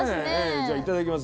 じゃあいただきます。